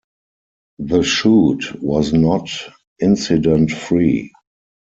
The shoot was not incident free.